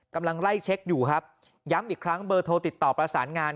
กำลังไล่เช็คอยู่ครับย้ำอีกครั้งเบอร์โทรติดต่อประสานงาน